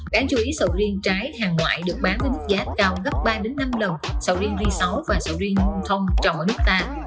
các anh chú ý sầu riêng trái hàng ngoại được bán với đích giá cao gấp ba năm lần sầu riêng ri sáu và sầu riêng thông trồng ở nước ta